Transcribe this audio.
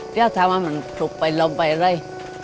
เรียกว่ามันถูกไปลงไปเลย